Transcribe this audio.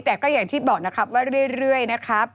แต่ก็อย่างที่บอกนะครับว่าเรื่อยนะครับ